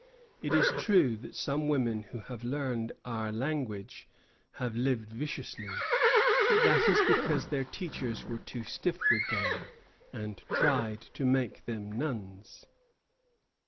It is true that some Indian women who have learned our language have lived viciously; but that is because their teachers were too stiff with them, and tried to make them nuns."